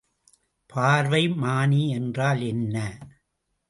பார்வைமானி என்றால் என்ன?